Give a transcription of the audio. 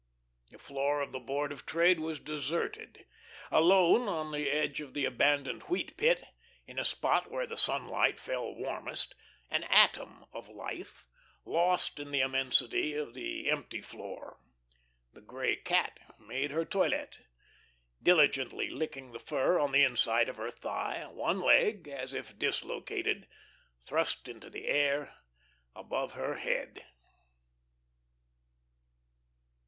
The floor of the Board of Trade was deserted. Alone, on the edge of the abandoned Wheat Pit, in a spot where the sunlight fell warmest an atom of life, lost in the immensity of the empty floor the grey cat made her toilet, diligently licking the fur on the inside of her thigh, one leg, as if dislocated, thrust into the air above her head.